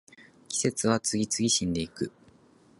季節は次々死んでいく